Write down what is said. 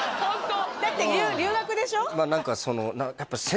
だって留学でしょ？